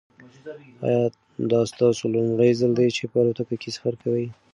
ایا دا ستاسو لومړی ځل دی چې په الوتکه کې سفر کوئ؟